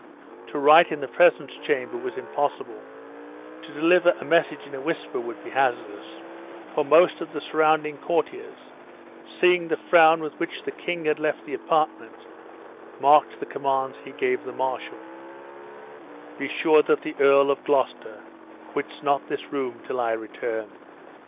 To write in the presence=chamber was impossible; to deliver a message in a whisper would be hazardous for most of the surrounding courtiers, seeing the frown with which the king had left the apartment, marked the commands he gave the marshal: "Be sure that the Earl of Gloucester quits not this room till I return."